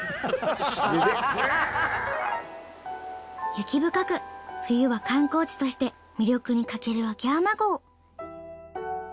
雪深く冬は観光地として魅力に欠ける秋山郷。